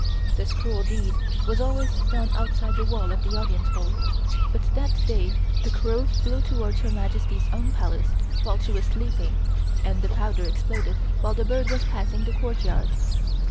This cruel deed was always done outside of the wall of the Audience Hall but that day the crow flew towards Her Majesty's own Palace while she was sleeping and the powder exploded while the bird was passing the courtyard.